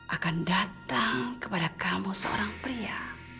akan datang kepada kamu seorang pria